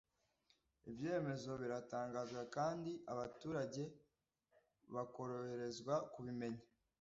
ibyemezo biratangazwa kandi abaturage bakoroherezwa kubimenya